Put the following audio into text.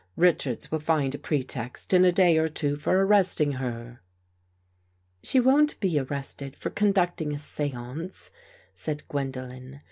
Richards will find a pretext in a day or two for ar resting her." " She won't be arrested for conducting a seance," said Gwendolen.